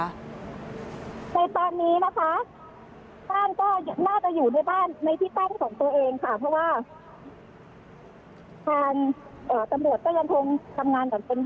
ค่ะในตอนนี้นะคะบ้านก็น่าจะอยู่ในบ้านในที่ตั้งของตัวเองค่ะ